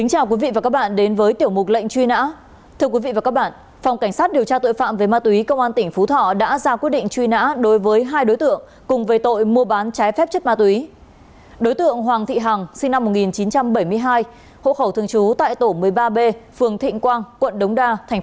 hãy đăng ký kênh để ủng hộ kênh của chúng mình nhé